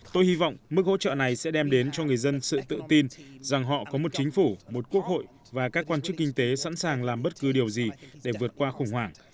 tôi hy vọng mức hỗ trợ này sẽ đem đến cho người dân sự tự tin rằng họ có một chính phủ một quốc hội và các quan chức kinh tế sẵn sàng làm bất cứ điều gì để vượt qua khủng hoảng